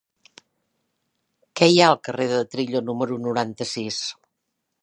Què hi ha al carrer de Trillo número noranta-sis?